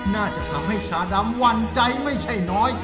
น่าจะทำให้ชาดำหวั่นใจไม่ใช่น้อย